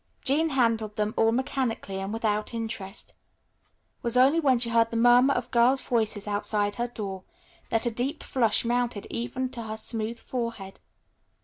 Jean handled them all mechanically, and without interest. It was only when she heard the murmur of girls' voices outside her door that a deep flush mounted even to her smooth forehead.